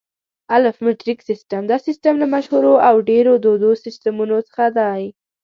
الف: مټریک سیسټم: دا سیسټم له مشهورو او ډېرو دودو سیسټمونو څخه دی.